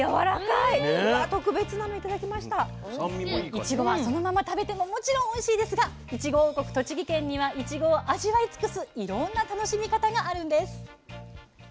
いちごはそのまま食べてももちろんおいしいですがいちご王国栃木県にはいちごを味わい尽くすいろんな楽しみ方があるんです。